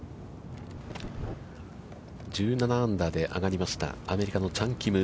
１７アンダーで上がりましたアメリカのチャン・キム。